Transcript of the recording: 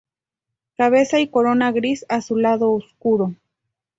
Cabeza y corona gris azulado oscuro.